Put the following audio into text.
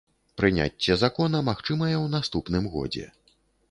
Прыняцце закона магчымае ў наступным годзе.